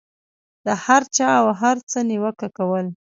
د هر چا او هر څه نیوکه کول.